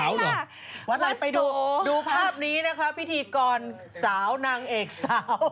วันไหนไปดูดูภาพนี้นะคะพิธีกรสาวนางเอกสาว